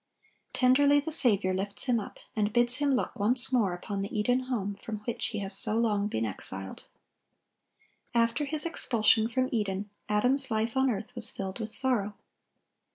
Tenderly the Saviour lifts him up, and bids him look once more upon the Eden home from which he has so long been exiled. After his expulsion from Eden, Adam's life on earth was filled with sorrow.